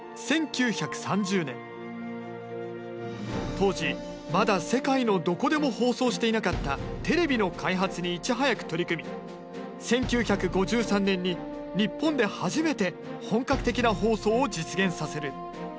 当時まだ世界のどこでも放送していなかったテレビの開発にいち早く取り組み１９５３年に日本で初めて本格的な放送を実現させる。